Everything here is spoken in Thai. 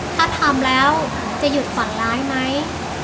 ถ้าทำแล้วจะหยุดฝันร้ายไหม